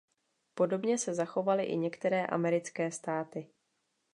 Podobně se zachovaly i některé americké státy.